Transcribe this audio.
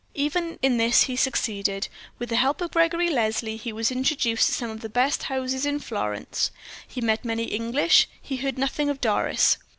Even in this he succeeded. With the help of Gregory Leslie he was introduced to some of the best houses in Florence. He met many English he heard nothing of Doris.